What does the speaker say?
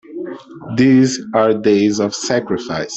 These are days of sacrifice!